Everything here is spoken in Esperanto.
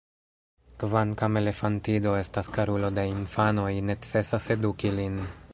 Kvankam elefantido estas karulo de infanoj, necesas eduki lin.